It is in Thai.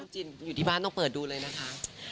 จริงอยู่ที่บ้านต้องเปิดดูเลยนะคะ